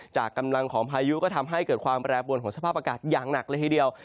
จากกำลังของพายุก็ทำให้เกิดความแปรปวนของสภาพอากาศอย่างหนักเลยทีเดียว